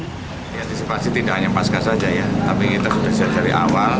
antisipasi tidak hanya pasca saja ya tapi kita sudah siap dari awal